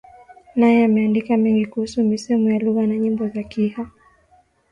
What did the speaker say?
naye ameandika mengi kuhusu misemo ya lugha na nyimbo za Kiha